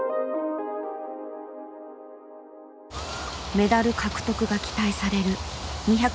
メダル獲得が期待される２００ｍ平泳ぎ。